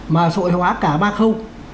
mà xoay hóa cả ba khâu